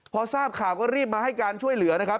พอทราบข่าวก็รีบมาให้การช่วยเหลือนะครับ